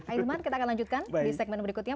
ailman kita akan lanjutkan di segmen berikutnya